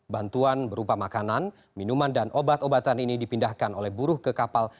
bantuan berupa makanan minuman dan obat obatan ini dipindahkan oleh buruh ke kapal